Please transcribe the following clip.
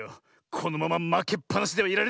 このまままけっぱなしではいられない。